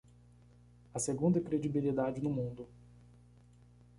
A segunda credibilidade no mundo